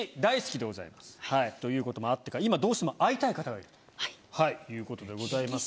ということもあってか今どうしても会いたい方がいるということでございます